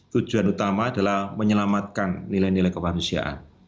tujuan utama adalah menyelamatkan nilai nilai kemanusiaan